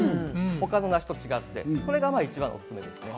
他の梨と違って、これが一番おすすめですね。